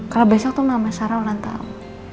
kalau besok tuh mama sarah ulang tahun